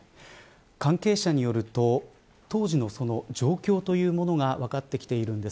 関係者によると当時の状況というものが分かってきているんです。